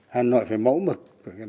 hà nội phải mẫu mực